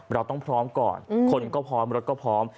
เราต้องพร้อมก่อนคนก็พร้อมรถก็พร้อม